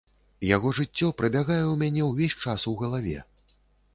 Яго жыццё прабягае ў мяне ўвесь час у галаве.